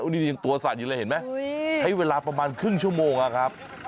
นี่ยังตัวสั่นอยู่เลยเห็นไหมใช้เวลาประมาณครึ่งชั่วโมงอะครับ